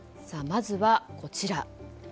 まずは、こちら。